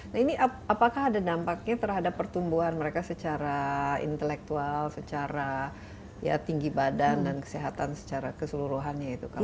nah ini apakah ada dampaknya terhadap pertumbuhan mereka secara intelektual secara tinggi badan dan kesehatan secara keseluruhannya itu kan